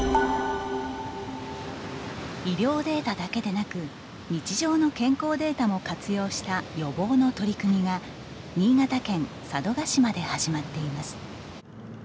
医療データだけでなく日常の健康データも活用した予防の取り組みが新潟県佐渡島で始まっています。